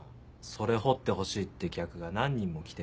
それ彫ってほしいって客が何人も来て。